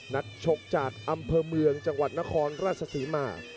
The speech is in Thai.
นักชกจากอำเภอเมืองจังหวัดนครราชศรีมา